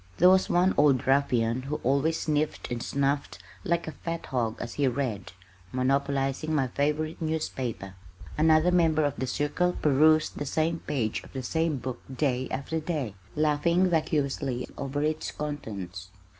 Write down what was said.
There was one old ruffian who always sniffled and snuffled like a fat hog as he read, monopolizing my favorite newspaper. Another member of the circle perused the same page of the same book day after day, laughing vacuously over its contents.